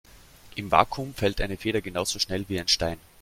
Im Vakuum fällt eine Feder genauso schnell wie ein Stein.